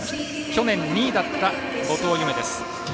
去年２位だった後藤夢です。